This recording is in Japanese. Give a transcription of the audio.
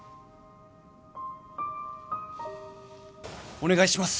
お願いします！